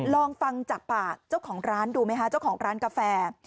ลองฟังจากปากเจ้าของร้านดูไหมคะเจ้าของร้านกาแฟ